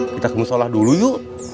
kita kemana sholat dulu yuk